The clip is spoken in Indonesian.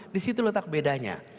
di situ letak bedanya